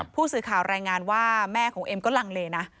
ผู้สื่อข่าวรายงานว่าแม่ของเอ็มก็ลังเลนะ